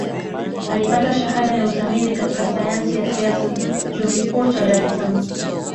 Alipata Shahada ya Uzamili katika Sayansi ya Siasa Chuo Kikuu cha Dar es Salaam